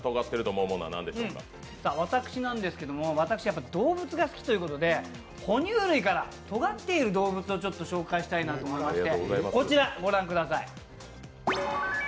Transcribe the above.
私、動物が好きということで哺乳類からとがっている動物を紹介したいなと思いまして、こちら御覧ください。